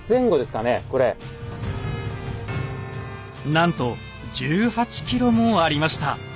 なんと１８ｋｇもありました。